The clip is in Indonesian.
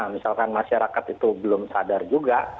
misalkan masyarakat itu belum sadar juga